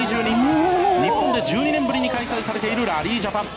日本で１２年ぶりに開催されているラリージャパン。